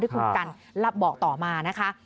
ที่คุณกันรับบอกต่อมานะคะ